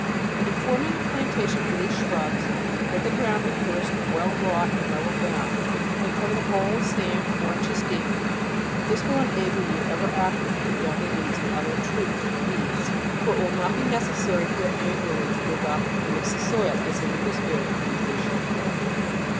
In forming a plantation for these shrubs, let the ground be first well wrought and levelled down, then cover the whole with sand, four inches deep. This will enable you ever after to keep down the weeds and other intruders with ease ; for it will riot be necessary here annually to dig up and mix the soil, as in the gooseberry plantation.